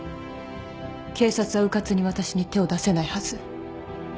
警察はうかつに私に手を出せないはず。